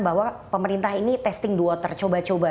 bahwa pemerintah ini testing the water coba coba